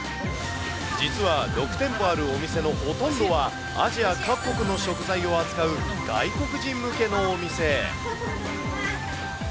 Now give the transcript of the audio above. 実は６店舗あるお店のほとんどは、アジア各国の食材を扱う外国人向けのお店。